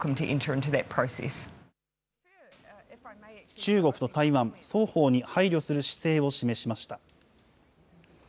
中国と台湾双方に配慮する姿勢を示しました。